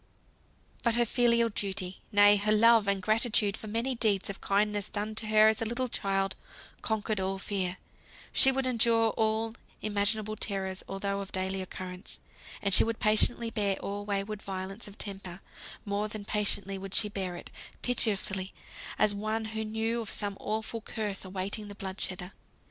But her filial duty, nay, her love and gratitude for many deeds of kindness done to her as a little child, conquered all fear. She would endure all imaginable terrors, although of daily occurrence. And she would patiently bear all wayward violence of temper; more than patiently would she bear it pitifully, as one who knew of some awful curse awaiting the blood shedder.